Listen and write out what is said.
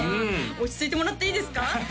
落ち着いてもらっていいですか？